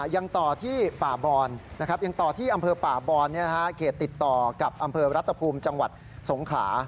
ยังต่อที่ป่าบอลมาติดต่อกับอำเภารัตภภูมิจังหวัดสงขา